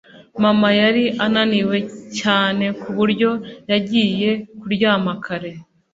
Mama yari ananiwe cyane ku buryo yagiye kuryama kare